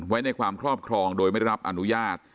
ไว้ในความครอบครองโดยไม่ได้รับอนุญาต